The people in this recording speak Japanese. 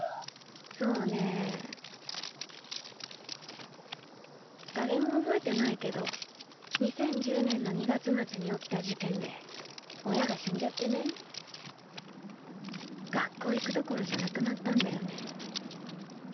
そうね誰も覚えてないけど２０１０年の２月末に起きた事件で親が死んじゃってね学校行くどころじゃなくなったんだよね